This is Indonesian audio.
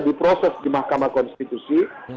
diproses di mahkamah konstitusi